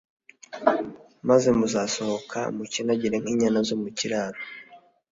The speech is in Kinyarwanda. maze muzasohoka mukinagire nk’inyana zo mu kiraro